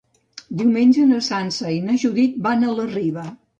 Diumenge na Sança i na Judit van a la Riba.